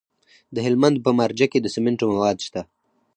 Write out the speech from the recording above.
د هلمند په مارجه کې د سمنټو مواد شته.